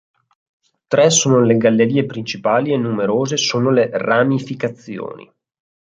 Tre sono le gallerie principali e numerose sono le ramificazioni.